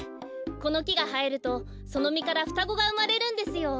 このきがはえるとそのみからふたごがうまれるんですよ。